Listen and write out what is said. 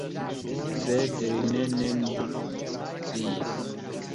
Sed li nenion sciis.